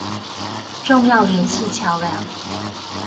重要聯繫橋梁